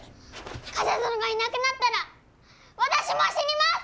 冠者殿がいなくなったら私も死にます！